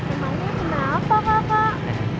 emangnya kenapa kakak